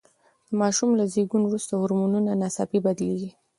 د ماشوم له زېږون وروسته هورمونونه ناڅاپي بدلیږي.